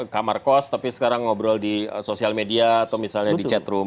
kamar kos tapi sekarang ngobrol di sosial media atau misalnya di chatroom